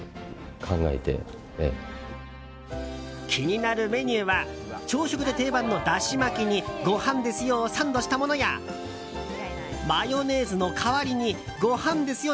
気になるメニューは朝食で定番のだし巻きにごはんですよ！をサンドしたものやマヨネーズの代わりにごはんですよ！